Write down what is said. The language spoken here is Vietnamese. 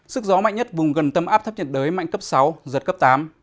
sức gió mạnh nhất vùng gần tâm áp thấp nhiệt đới mạnh cấp sáu giật cấp tám